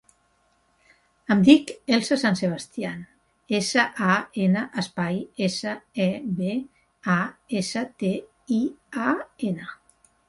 Em dic Elsa San Sebastian: essa, a, ena, espai, essa, e, be, a, essa, te, i, a, ena.